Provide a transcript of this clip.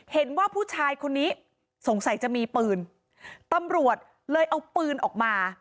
เห็นว่าผู้ชายคนนี้สงสัยจะมีปืนตำรวจเลยเอาปืนออกมา